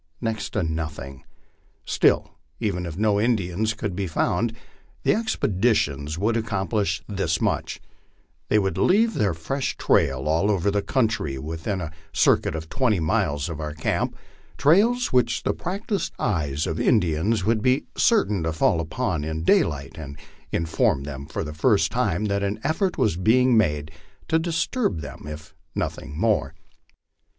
Next to nothing. Still, even if no In dians could be found, the expeditions would accomplish this much : they would leave their fresh trails all over the country within a circuit of twenty miles of our camp, trails which the practised eyes of the Indians would be certain to fall upon in daylight, and inform them for the first time that an effort was be ing made to disturb them if nothing more.